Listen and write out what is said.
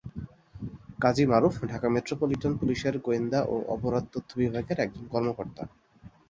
কাজী Maruf Dhaka metropolitan পুলিশের গোয়েন্দা ও অপরাধ তথ্য বিভাগের একজন কর্মকর্তা।